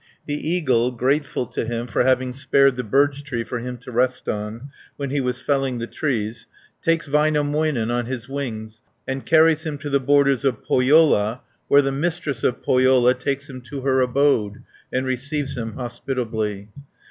The eagle, grateful to him for having spared the birch tree for him to rest on, when he was felling the trees takes Väinämöinen on his wings, and carries him to the borders of Pohjola, where the Mistress of Pohjola takes him to her abode, and receives him hospitably (89 274).